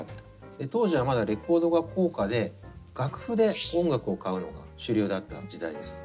当時はまだレコードが高価で楽譜で音楽を買うのが主流だった時代です。